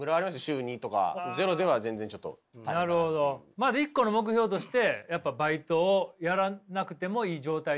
まず一個の目標としてバイトをやらなくてもいい状態にはしたいと。